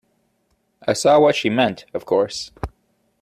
I saw what she meant, of course.